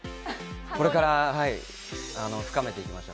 これから深めていきましょう。